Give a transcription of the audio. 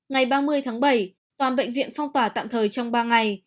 ngày ba mươi tháng bảy toàn bệnh viện phong tỏa tạm thời trong ba ngày